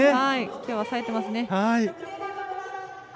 きょうはさえてますね。